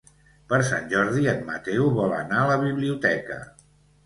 Per Sant Jordi en Mateu vol anar a la biblioteca.